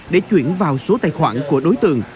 để chuyển vào số tài khoản của đối tượng